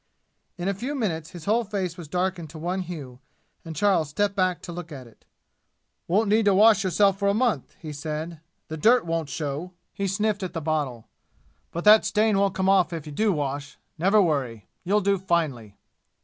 In a few minutes his whole face was darkened to one hue, and Charles stepped back to look at it. "Won't need to wash yourself for a month!" he said. "The dirt won't show!" He sniffed at the bottle. "But that stain won't come off if you do wash never worry! You'll do finely."